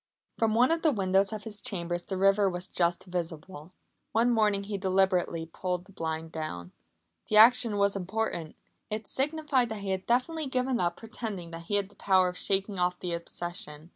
From one of the windows of his chambers the river was just visible. One morning he deliberately pulled the blind down. The action was important. It signified that he had definitely given up pretending that he had the power of shaking off the obsession.